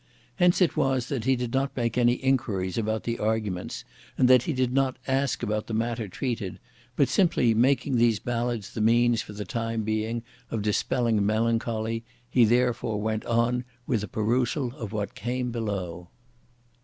Hence it was that he did not make any inquiries about the arguments, and that he did not ask about the matter treated, but simply making these ballads the means for the time being of dispelling melancholy, he therefore went on with the perusal of what came below.